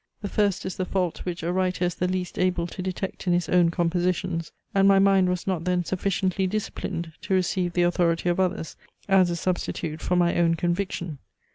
The first is the fault which a writer is the least able to detect in his own compositions: and my mind was not then sufficiently disciplined to receive the authority of others, as a substitute for my own conviction.